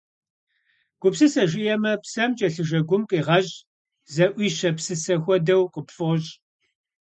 Гупсысэ жиӀэмэ, псэм кӀэлъыжэ гум къигъэщӀ, зэӀуищэ псысэ хуэдэу къыпфӀощӀ.